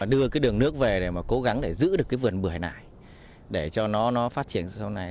đưa cái đường nước về để cố gắng giữ được cái vườn bưởi này để cho nó phát triển sau này